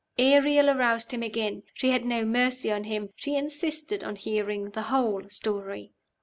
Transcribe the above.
Ariel aroused him again. She had no mercy on him; she insisted on hearing the whole story.